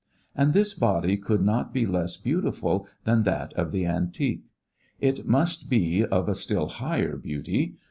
And this body could not be less beautiful than that of the Antique. It must be of a still higher beauty.